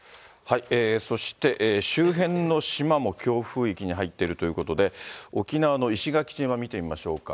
そして、周辺の島も強風域に入っているということで、沖縄の石垣島、見てみましょうか。